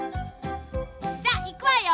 じゃあいくわよ。